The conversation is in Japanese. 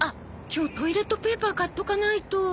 今日トイレットペーパー買っとかないと。